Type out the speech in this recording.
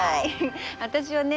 私はね